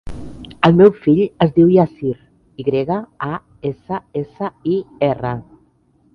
El meu fill es diu Yassir: i grega, a, essa, essa, i, erra.